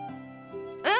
うん。